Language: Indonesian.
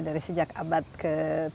dari sejak abad ke tujuh belas